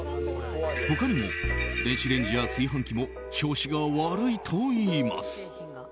他にも電子レンジや炊飯器も調子が悪いといいます。